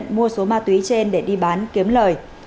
và một số ma túy trên để đi bán kiếm lời